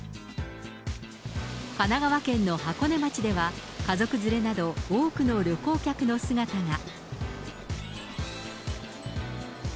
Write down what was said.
神奈川県の箱根町では、家族連れなど多くの旅行客の姿が。